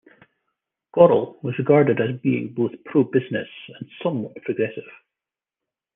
Gorrell was regarded as being both pro-business and somewhat progressive.